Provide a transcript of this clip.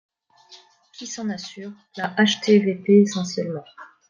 Qui s’en assure ? La HATVP essentiellement.